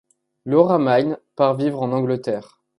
Laura Mayne part vivre en Angleterre.